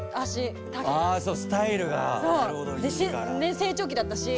成長期だったし。